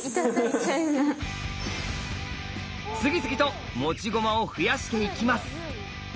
次々と持ち駒を増やしていきます。